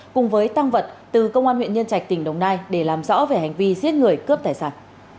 cùng với tăng vật từ công an huyện nhân trạch tỉnh đồng nai để làm rõ về hành vi giết người cướp tài sản